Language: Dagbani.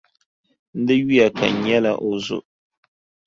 N di yuya ka n nyɛla o zo.